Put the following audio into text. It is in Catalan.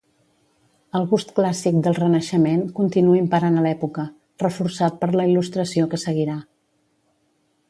El gust clàssic del renaixement continua imperant a l'època, reforçat per la Il·lustració que seguirà.